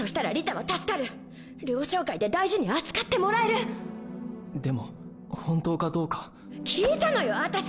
そした「ルオ商会」で大事に扱ってもらえるでも本当かどうか聞いたのよ私！